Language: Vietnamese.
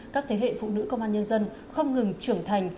các thế hệ phụ nữ công an nhân dân không ngừng trưởng thành